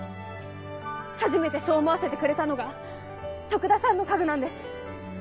初めてそう思わせてくれたのが徳田さんの家具なんです。